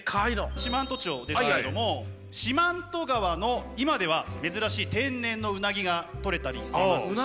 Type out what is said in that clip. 四万十町ですけども四万十川の今では珍しい天然のうなぎがとれたりしますし。